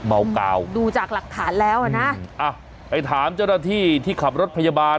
เมากาวดูจากหลักฐานแล้วอ่ะนะอ่ะไปถามเจ้าหน้าที่ที่ขับรถพยาบาล